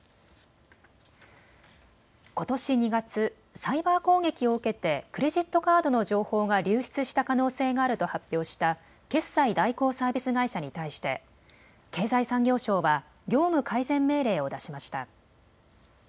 ことし２月、サイバー攻撃を受けてクレジットカードの情報が流出した可能性があると発表した決済代行サービス会社に対して経済産業省は業務改善命令を出しました。